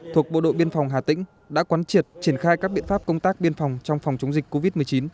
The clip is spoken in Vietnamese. thuộc bộ đội biên phòng hà tĩnh đã quán triệt triển khai các biện pháp công tác biên phòng trong phòng chống dịch covid một mươi chín